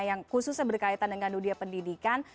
yang khususnya berkaitan dengan dunia pendidikan